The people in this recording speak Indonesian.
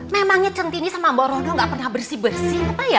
memangnya centini sama mba rondo gak pernah bersih bersih apa ya